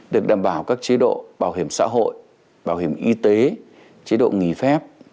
được đảm bảo các chế độ bảo hiểm xã hội bảo hiểm y tế chế độ nghỉ phép